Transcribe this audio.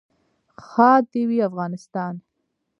ښاد دې وي افغانستان.